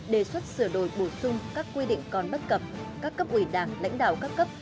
đề xuất sửa đổi bổ sung các quy định còn bất cập các cấp ủy đảng lãnh đạo các cấp